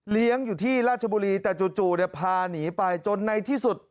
เลี้ยงอยู่ที่ราชบุรีแต่จู่พาหนีไปจนในที่สุด